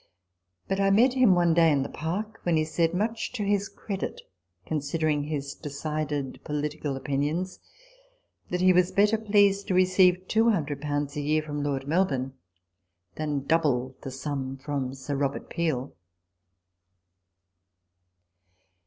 But I met him one day in the Park, when he said (much to his credit, considering his decided political opinions) that " he was better pleased to receive 200 a year from Lord Melbourne than double the sum from Sir Robert Peel."